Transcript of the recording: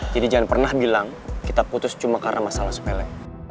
jadi jangan pernah bilang kita putus cuma karena masalah sepele